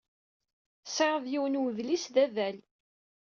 Tesɛiḍ yiwen n wedlis d adal.